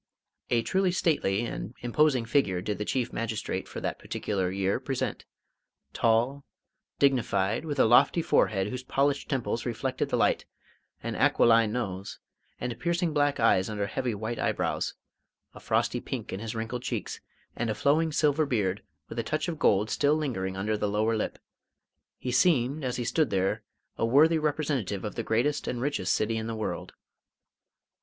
A truly stately and imposing figure did the Chief Magistrate for that particular year present: tall, dignified, with a lofty forehead whose polished temples reflected the light, an aquiline nose, and piercing black eyes under heavy white eyebrows, a frosty pink in his wrinkled cheeks, and a flowing silver beard with a touch of gold still lingering under the lower lip: he seemed, as he stood there, a worthy representative of the greatest and richest city in the world.